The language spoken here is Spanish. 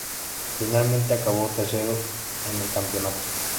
Finalmente acabó tercero en el campeonato.